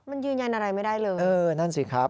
มันยืนยันอะไรไม่ได้เลยเออนั่นสิครับ